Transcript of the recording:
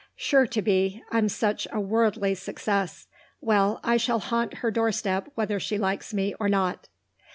"Sure to be. I'm such a worldly success. Well, I shall haunt her doorstep whether she likes me or not."